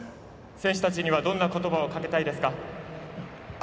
選手たちにはどんなことばをかけたいですか？